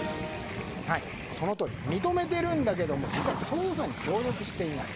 認めているんだけども実は捜査に協力していない。